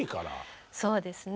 そうですね。